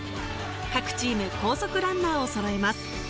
各チーム、高速ランナーを揃えます。